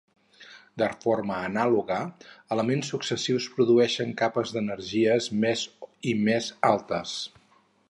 De forma anàloga, elements successius produeixen capes d'energies més i més altes.